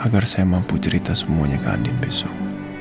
agar saya mampu cerita semuanya ke adik besok